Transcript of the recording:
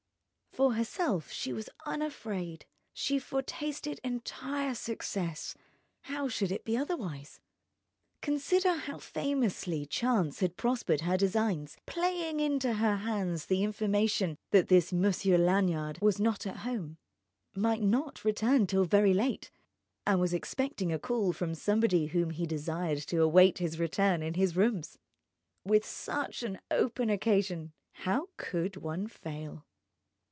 For herself she was unafraid, she foretasted entire success. How should it be otherwise? Consider how famously chance had prospered her designs, playing into her hands the information that this Monsieur Lanyard was not at home, might not return till very late, and was expecting a call from somebody whom he desired to await his return in his rooms! With such an open occasion, how could one fail?